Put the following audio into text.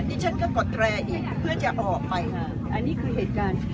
ทีนี้ฉันก็กดแกระอยู่เพื่อจะออกไปฮะอันนี้คือเหตุการณ์